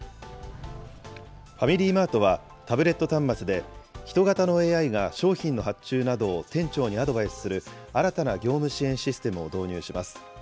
ファミリーマートは、タブレット端末で人型のＡＩが商品の発注などを店長にアドバイスする新たな業務支援システムを導入します。